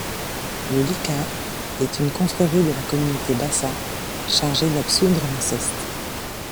Le Likaa est une confrérie de la communauté Bassa chargée d'absoudre l’inceste.